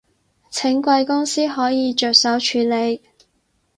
請貴公司可以着手處理